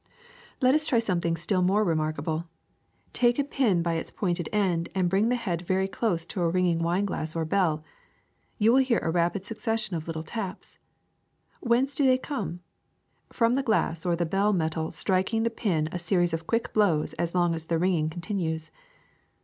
*^Let us try something still more remarkable. Take a pin by its pointed end and bring the head very close to a ringing wine glass or bell. You will hear a rapid succession of little taps. Whence do they come? From the glass or the bell metal striking the pin a series of quick blows as long as the ringing continues.